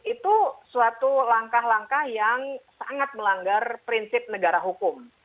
itu suatu langkah langkah yang sangat melanggar prinsip negara hukum